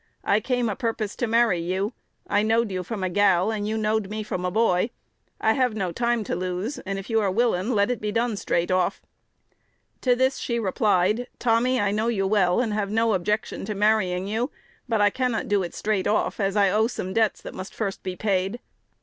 I came a purpose to marry you: I knowed you from a gal, and you knowed me from a boy. I have no time to lose; and, if you are willin', let it be done straight off." To this she replied, "Tommy, I know you well, and have no objection to marrying you; but I cannot do it straight off, as I owe some debts that must first be paid."